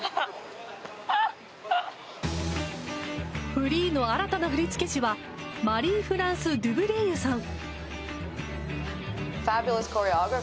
フリーの新たな振付師はマリーフランス・デュブレイユさん。